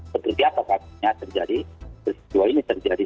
seperti apa saatnya terjadi